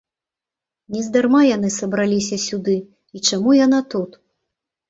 Нездарма яны сабраліся сюды, і чаму яна тут?